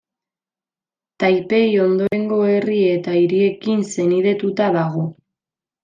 Taipei ondorengo herri eta hiriekin senidetuta dago.